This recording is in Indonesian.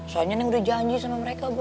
soalnya ini udah janji sama mereka bu